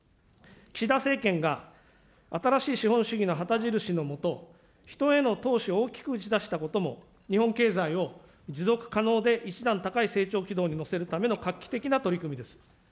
岸田政権が新しい資本主義の旗印の下、人への投資を大きく打ち出したことも、日本経済を持続可能で一段高い成長軌道に乗せるための画期的な取り組みです。